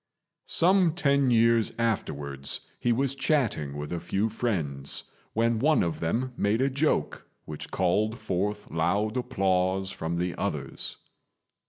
Some ten years afterwards he was chatting with a few friends, when one of them made a joke which called forth loud applause from the others.